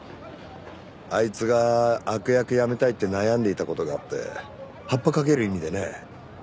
あいつが悪役やめたいって悩んでいた事があって発破かける意味でね。